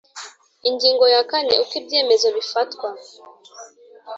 Ingingo ya kane Uko ibyemezo bifatwa